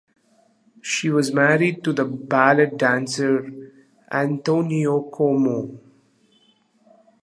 She was married to the ballet dancer Antonio Como.